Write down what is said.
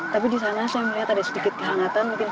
tapi di sana saya melihat ada sedikit kehangatan